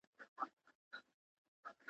مُلا جانه راته وایه په کتاب کي څه راغلي.